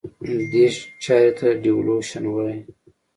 دې چارې ته Devaluation وایي.